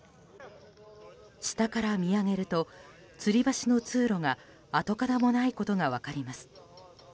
下から見上げるとつり橋の通路が跡形もないことが分かります。